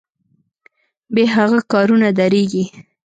بې هغه کارونه دریږي.